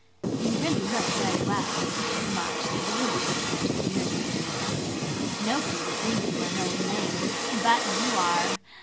[Page 146] "You really look very well," remarked the real Lucinda to the mirrored Lucinda. "Nobody would think you were an old maid. But you are.